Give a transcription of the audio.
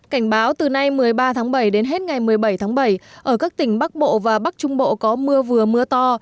cảnh báo từ nay một mươi ba tháng bảy đến hết ngày một mươi bảy tháng bảy ở các tỉnh bắc bộ và bắc trung bộ có mưa vừa mưa to